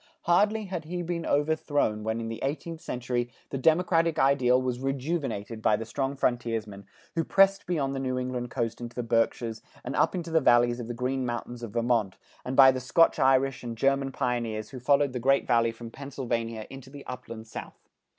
Hardly had he been overthrown when in the eighteenth century, the democratic ideal was rejuvenated by the strong frontiersmen, who pressed beyond the New England Coast into the Berkshires and up the valleys of the Green Mountains of Vermont, and by the Scotch Irish and German pioneers who followed the Great Valley from Pennsylvania into the Upland South.